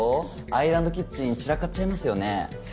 アイランドキッチン散らかっちゃいますよね。